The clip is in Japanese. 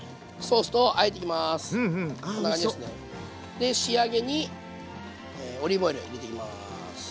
で仕上げにオリーブオイル入れていきます。